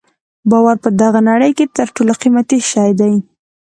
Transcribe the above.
باور په دغه نړۍ کې تر ټولو قیمتي شی دی.